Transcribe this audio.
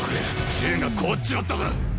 銃が凍っちまったぞ！